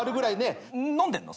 飲んでんの？